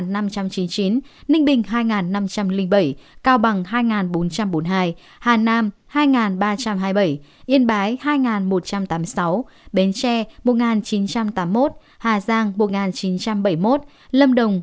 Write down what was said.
ninh bình hai năm trăm linh bảy cao bằng hai bốn trăm bốn mươi hai hà nam hai ba trăm hai mươi bảy yên bái hai một trăm tám mươi sáu bến tre một chín trăm tám mươi một hà giang một chín trăm bảy mươi một lâm đồng một bảy trăm ba mươi năm